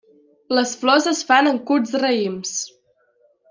Les flors es fan en curts raïms.